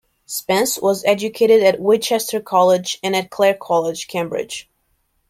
Spence was educated at Winchester College and at Clare College, Cambridge.